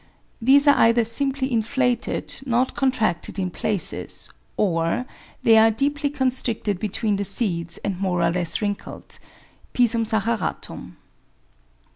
These are either simply inflated, not contracted in places; or they are deeply constricted between the seeds and more or less wrinkled (P. saccharatum)